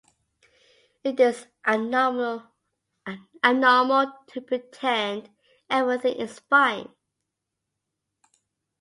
It is abnormal to pretend everything is fine.